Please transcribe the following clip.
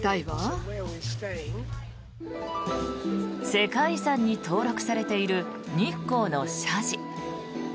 世界遺産に登録されている日光の社寺。